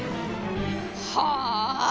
はあ！？